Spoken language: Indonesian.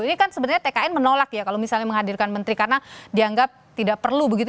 ini kan sebenarnya tkn menolak ya kalau misalnya menghadirkan menteri karena dianggap tidak perlu begitu